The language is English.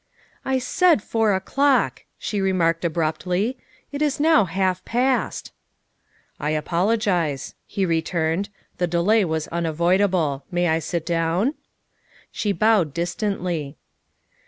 " I said four o'clock," she remarked abruptly; " it is now half past. ''" I apologize," he returned, " the delay was unavoid able. I may sit down?" She bowed distantly.